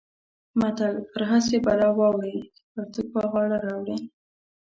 متل: پر هسې بلا واوړې چې پرتوګ پر غاړه راوړې.